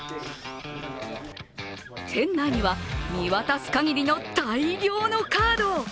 店内には、見渡すかぎりの大量のカード。